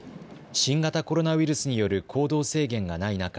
新型コロナウイルスによる行動制限がない中